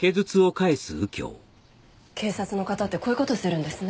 警察の方ってこういう事するんですね。